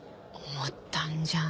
思ったんじゃん？